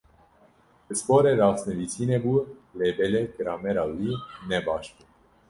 Pisporê rastnivîsînê bû lê belê gramera wî nebaş bû.